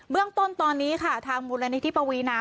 เรื่องต้นตอนนี้ค่ะทางมูลนิธิปวีนา